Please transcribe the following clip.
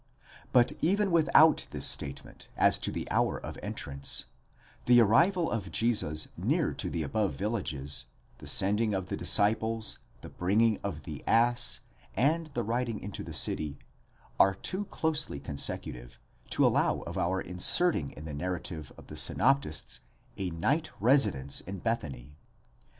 but even without this statement as to the hour of entrance, the arrival of Jesus near to the above villages, the sending of the disciples, the bringing of the ass, and the riding into the city, are too closely consecutive, to allow of our inserting in the narrative of the synoptists a night's residence in Bethany.